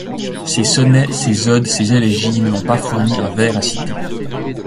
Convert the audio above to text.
Ses sonnets, ses odes, ses élégies, ne m'ont pas fourni un vers à citer.